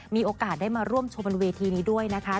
มีโอกาสได้มาร่วมชมบนเวทีนี้ด้วยนะคะ